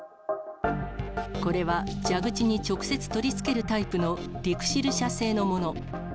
これは、蛇口に直接取り付けるタイプの、リクシル社製のもの。